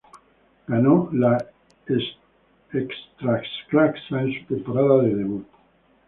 Ganó la Ekstraklasa en su temporada de debut.